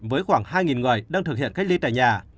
với khoảng hai người đang thực hiện cách ly tại nhà